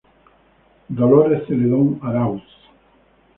Dolores Zeledón Aráuz.